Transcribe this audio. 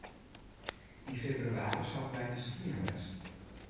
Yn febrewaris hawwe wy te skieën west.